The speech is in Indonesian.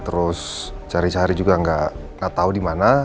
terus cari cari juga gak tau dimana